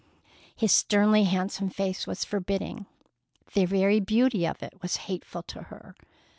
His sternly handsome face was forbidding. The very beauty of it was hateful to her.